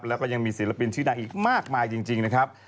แล้วก็ยังมีศิลปินชื่อดังอีกมากมายจริงนะครับ